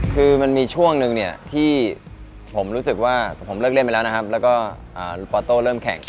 คือมันมีช่วงนึงเนี่ยที่ผมรู้สึกว่าผมเลิกเล่นไปแล้วนะครับแล้วก็ปอโต้เริ่มแข่ง